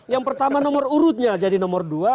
yang pertama nomor urutnya jadi nomor dua